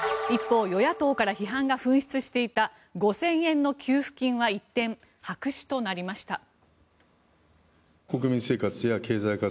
一方与野党から批判が噴出していた５０００円の給付金は一転白紙となりました。